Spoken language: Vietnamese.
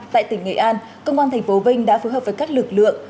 tại tỉnh nghệ an công an tp vinh đã phối hợp với các lực lượng